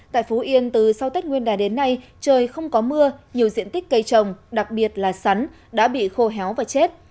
tại phú yên từ sau tết nguyên đà đến nay trời không có mưa nhiều diện tích cây trồng đặc biệt là sắn đã bị khô héo và chết